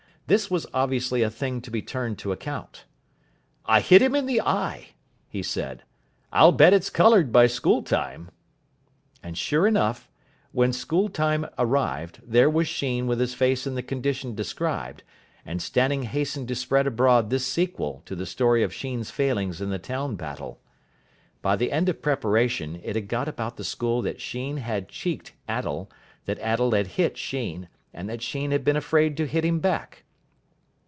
This was obviously a thing to be turned to account. "I hit him in the eye," he said. "I'll bet it's coloured by school time." And sure enough, when school tune arrived, there was Sheen with his face in the condition described, and Stanning hastened to spread abroad this sequel to the story of Sheen's failings in the town battle. By the end of preparation it had got about the school that Sheen had cheeked Attell, that Attell had hit Sheen, and that Sheen had been afraid to hit him back.